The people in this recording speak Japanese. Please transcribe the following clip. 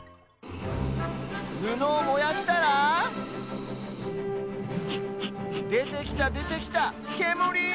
ぬのをもやしたらでてきたでてきたけむり！